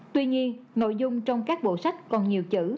tuy nhiên nội dung trong các bộ sách còn nhiều chữ